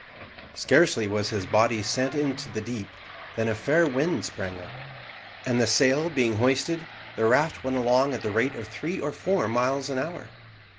Scarcely was his body sent into the deep, than a fair wind sprang up, and the sail being hoisted, the raft went along at the rate of three or four miles an hour.